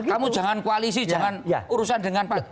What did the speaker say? kamu jangan koalisi jangan urusan dengan